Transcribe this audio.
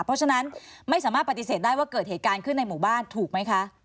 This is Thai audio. เพราะฉะนั้นไม่สามารถปฏิเสธได้ว่าเกิดเหตุการณ์ขึ้นในหมู่บ้านถูกไหมคะ